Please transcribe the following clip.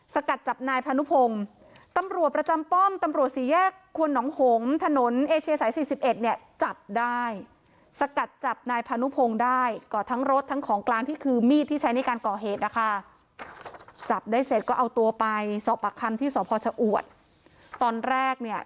สกัดจับนายพานุพงตำ